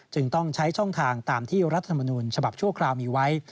จึงต้องใช้ช่องทางตามที่รัฐมนุนฉบับชั่วคราวมีไว้